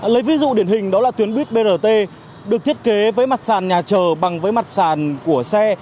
lấy ví dụ điển hình đó là tuyến buýt brt được thiết kế với mặt sàn nhà chờ bằng với mặt sàn của xe